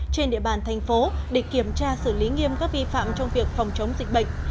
trên địa bàn thành phố để kiểm tra xử lý nghiêm các vi phạm trong việc phòng chống dịch bệnh